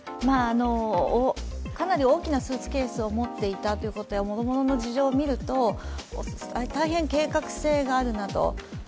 かなり大きなスーツケースを持っていたということ、もろもろの事情を見ると、大変計画性があるなと。